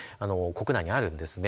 国内にあるんですね。